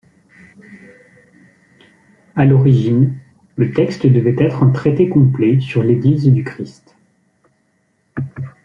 À l'origine le texte devait être un traité complet sur l'Église du Christ'.